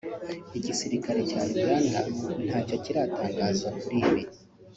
Igisirikare cya Uganda nta cyo kiratangaza kuri ibi